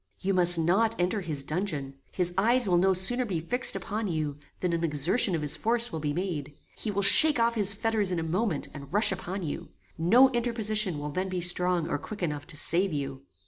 "You must not enter his dungeon; his eyes will no sooner be fixed upon you, than an exertion of his force will be made. He will shake off his fetters in a moment, and rush upon you. No interposition will then be strong or quick enough to save you.